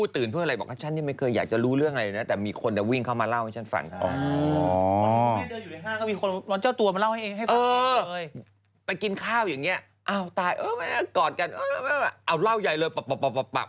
สบายใจไม่ชอบอะไรแหละแฮปปี้อย่างไรล่ะ